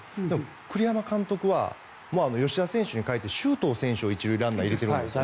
栗山監督は吉田選手に代えて周東選手を１塁ランナーに入れてるんですね。